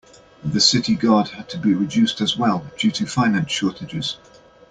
The city guard had to be reduced as well due to finance shortages.